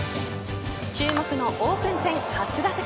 注目のオープン戦初打席